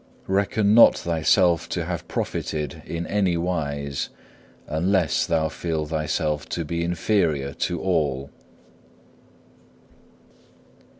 Reckon not thyself to have profited in anywise unless thou feel thyself to be inferior to all.